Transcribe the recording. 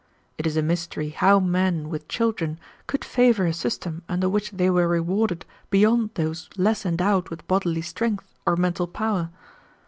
It is a mystery how men with children could favor a system under which they were rewarded beyond those less endowed with bodily strength or mental power.